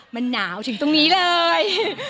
มันหนาวถึงตรงนี้เลย